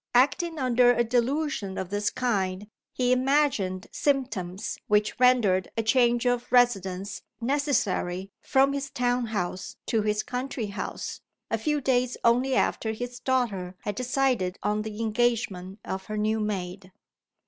Acting under a delusion of this kind, he imagined symptoms which rendered a change of residence necessary from his town house to his country house, a few days only after his daughter had decided on the engagement of her new maid.